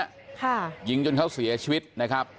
ค่ะยิงจนเขาเสียชีวิตนะครับ